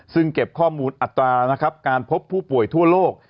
ซึ่งเก็บข้อมูลอัตรานะครับการพบผู้ป่วยทั่วโลก